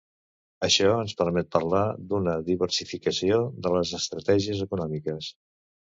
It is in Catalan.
Això ens permet parlar d'una diversificació de les estratègies econòmiques.